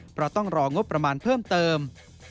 เพราะต้องรองบประมาณเพิ่มเติม